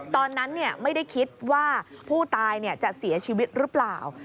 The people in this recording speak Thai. ตอนนั้นไม่ได้คิดว่าผู้ตายจะเสียชีวิตหรือเปล่า